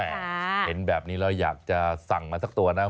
เห็นแบบนี้แล้วอยากจะสั่งมาสักตัวนะ